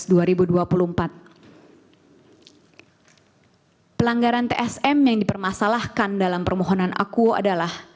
pertanyaan kedua pelanggaran trsm yang dipermasalahkan dalam permohonan aku adalah